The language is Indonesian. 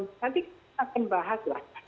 nanti kita akan bahas lah